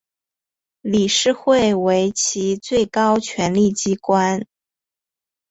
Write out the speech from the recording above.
理事会为其最高权力机关。